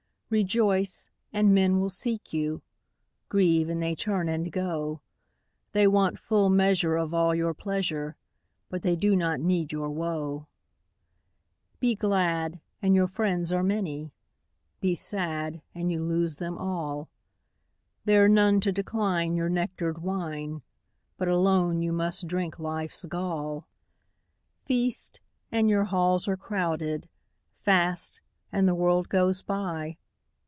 Rejoice, and men will seek you; Grieve, and they turn and go; They want full measure of all your pleasure, But they do not need your woe. Be glad, and your friends are many; Be sad, and you lose them all; There are none to decline your nectar'd wine, But alone you must drink life's gall. Feast, and your halls are crowded; Fast, and the world goes by.